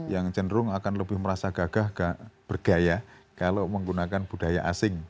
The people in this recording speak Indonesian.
yang cenderung akan lebih merasa gagah bergaya kalau menggunakan budaya asing